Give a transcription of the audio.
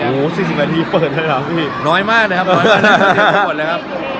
ก็มีประมาณ๖๗เพลงครับ